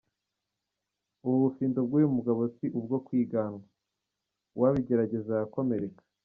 Ubu bufindo bw’uyu mugabo si ubwo kwiganwa, uwabigerageza yakomereka.